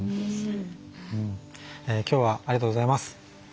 今日はありがとうございます。